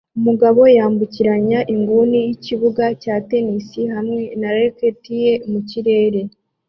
Umugore yambukiranya inguni yikibuga cya tennis hamwe na racket ye mu kirere